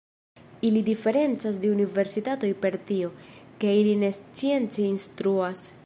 Ili diferencas de universitatoj per tio, ke ili ne science instruas.